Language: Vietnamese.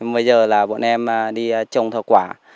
bây giờ là bọn em đi trồng thảo quả